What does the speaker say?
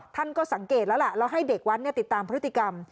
ท่านก็สังเกตแล้วล่ะแล้วให้เด็กวัดติดตามพฤติกรรม